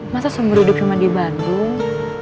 masa seumur hidup cuma di bandung